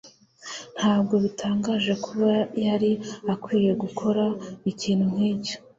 Ntabwo bitangaje kuba yari akwiye gukora ikintu nkicyo